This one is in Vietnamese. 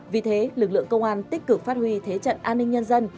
vì thế lực lượng công an tích cực phát huy thế trận an ninh nhân dân